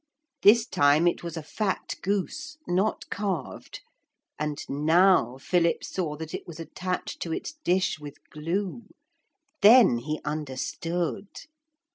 This time it was a fat goose, not carved, and now Philip saw that it was attached to its dish with glue. Then he understood.